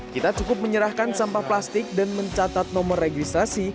kita cukup menyerahkan sampah plastik dan mencatat nomor registrasi